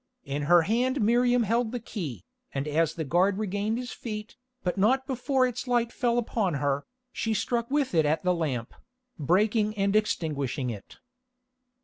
In her hand Miriam held the key, and as the guard regained his feet, but not before its light fell upon her, she struck with it at the lamp, breaking and extinguishing it.